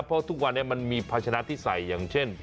เพราะทุกวันนี้มันมีภาชนะที่ใส่อย่างเช่น